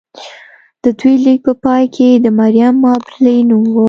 د دې لیک په پای کې د مریم مابرلي نوم و